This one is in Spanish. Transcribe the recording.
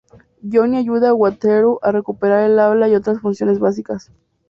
Johnny ayuda a Wataru a recuperar el habla y otras funciones básicas.